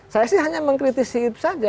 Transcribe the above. saya sih hanya mengkritisi itu saja